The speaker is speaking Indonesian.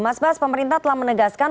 mas bas pemerintah telah menegaskan